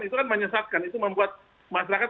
itu kan menyesatkan itu membuat masyarakat